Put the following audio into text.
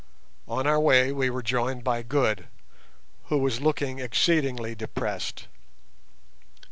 On our way we were joined by Good, who was looking exceedingly depressed.